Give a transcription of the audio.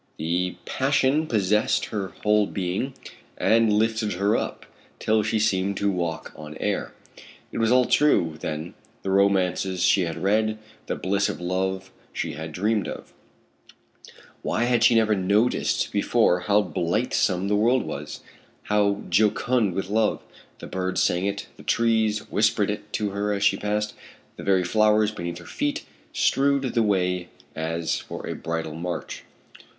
The passion possessed her whole being, and lifted her up, till she seemed to walk on air. It was all true, then, the romances she had read, the bliss of love she had dreamed of. Why had she never noticed before how blithesome the world was, how jocund with love; the birds sang it, the trees whispered it to her as she passed, the very flowers beneath her feet strewed the way as for a bridal march.